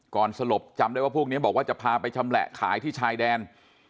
สลบจำได้ว่าพวกนี้บอกว่าจะพาไปชำแหละขายที่ชายแดน